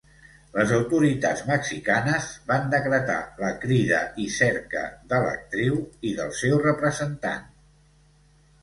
Les autoritats mexicanes van decretar la crida i cerca de l'actriu i del seu representant.